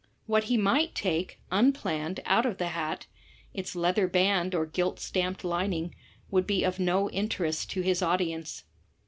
What he might take, implanned, out of the hat, — its leather band or gilt stamped lining, — would be of no interest to his audience.